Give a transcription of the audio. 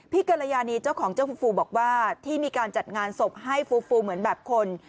กรยานีเจ้าของเจ้าฟูฟูบอกว่าที่มีการจัดงานศพให้ฟูฟูเหมือนแบบคน